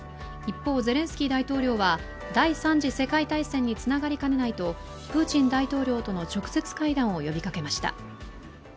一方、ゼレンスキー大統領は第三次世界大戦につながりかねないとプーチン大統領との直接会談を呼びかけました。